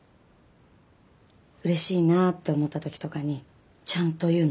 嬉しいなって思った時とかにちゃんと言うの。